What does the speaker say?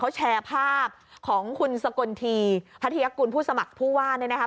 เขาแชร์ภาพของคุณสกลทีพัทยากุลผู้สมัครผู้ว่าเนี่ยนะคะ